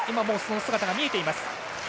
もうその姿が見えています。